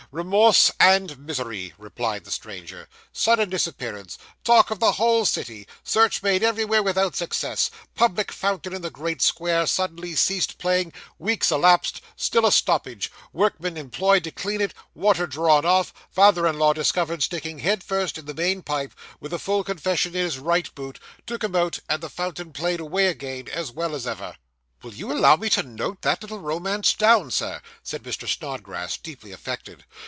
'Remorse and misery,' replied the stranger. 'Sudden disappearance talk of the whole city search made everywhere without success public fountain in the great square suddenly ceased playing weeks elapsed still a stoppage workmen employed to clean it water drawn off father in law discovered sticking head first in the main pipe, with a full confession in his right boot took him out, and the fountain played away again, as well as ever.' 'Will you allow me to note that little romance down, Sir?' said Mr. Snodgrass, deeply affected.